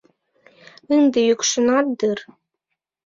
— Ынде йӱкшенат дыр.